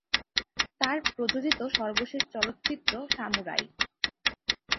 তার প্রযোজিত সর্বশেষ চলচ্চিত্র "সামুরাই"।